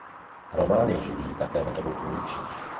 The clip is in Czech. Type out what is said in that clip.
Román je živý také metodou tvůrčí.